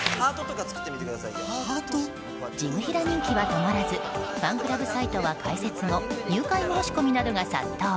じぐひら人気は止まらずファンクラブサイトは開設後、入会申し込みなどが殺到。